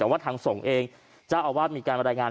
แต่ว่าทางส่งเองเจ้าอาวาสมีการบรรยายงาน